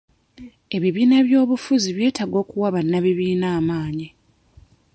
Ebibiina by'obufuzi byetaaga okuwa bannabibiina amaanyi.